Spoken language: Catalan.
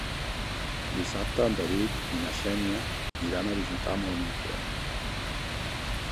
Dissabte en David i na Xènia iran a visitar mon oncle.